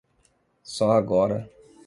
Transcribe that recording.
Só agora